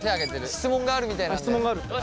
質問があるみたいなんで。